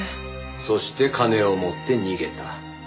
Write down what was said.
そして金を持って逃げた。